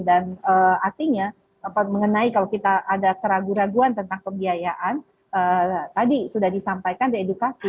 dan artinya mengenai kalau kita ada keraguan keraguan tentang kebiayaan tadi sudah disampaikan di edukasi